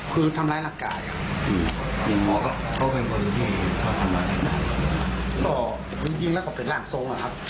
คือทำร้ายรักกายหรือเป็นล่างทรง